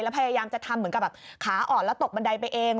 พยายามจะทำเหมือนกับแบบขาอ่อนแล้วตกบันไดไปเอง